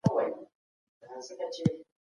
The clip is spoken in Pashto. افغانان به بېرته خپل ملي هویت ومومي.